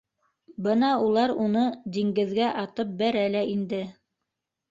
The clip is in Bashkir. Бына улар уны диңгеҙгә атып бәрә лә инде.